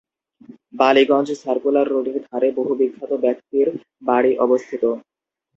Ballygunge circular রোডের ধারে বহু বিখ্যাত ব্যক্তির বাড়ি অবস্থিত।